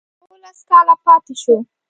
یوولس کاله پاته شو.